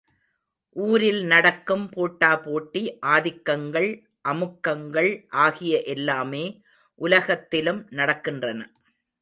ஊரில் நடக்கும் போட்டா போட்டி, ஆதிக்கங்கள், அமுக்கங்கள் ஆகிய எல்லாமே உலகத்திலும் நடக்கின்றன.